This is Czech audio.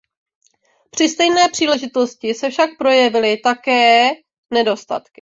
Při stejné příležitosti se však projevily také nedostatky.